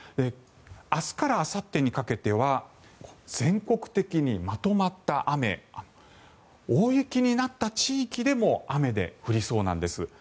明日からあさってにかけては全国的にまとまった雨大雪になった地域でも雨で降りそうなんです。